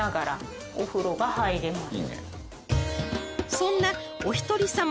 ［そんなおひとりさま